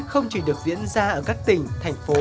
không chỉ được diễn ra ở các tỉnh thành phố